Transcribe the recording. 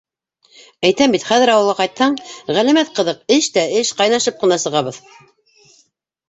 Әйтәм бит, хәҙер ауылға ҡайтһаң, ғәләмәт ҡыҙыҡ, эш тә эш, ҡайнашып ҡына сығабыҙ.